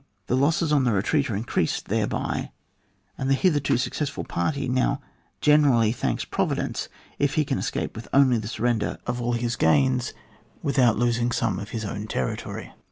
The losses on the retreat are increased there by, and the hitherto successful party now generally thanks providence if he can escape with only the surrender of all his gains, without losing some of his own territory.